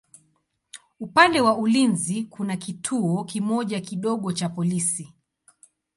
Upande wa ulinzi kuna kituo kimoja kidogo cha polisi.